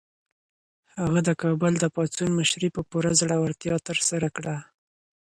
هغه د کابل د پاڅون مشري په پوره زړورتیا ترسره کړه.